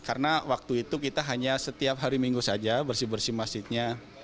karena waktu itu kita hanya setiap hari minggu saja bersih bersih masjidnya